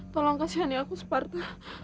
tolong kasihan ya aku separta